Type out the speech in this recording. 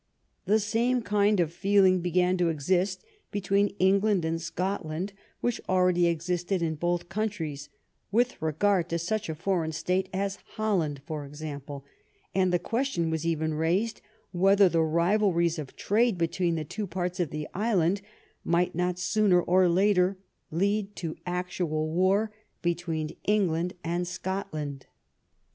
The same kind of feeling began to exist between England and Scotland which already existed in both countries with regard to such a foreign state as Holland, for example, and the ques tion was even raised whether the rivalries of trade between the two parts of the island might not sooner or later lead to actual war between England and Scot land.